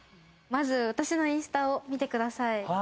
まず私のインスタを見てください。